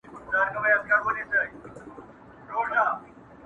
دا تر ټولو بې حیاوو بې حیا دی,